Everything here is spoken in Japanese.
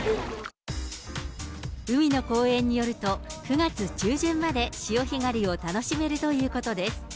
海の公園によると、９月中旬まで潮干狩りを楽しめるということです。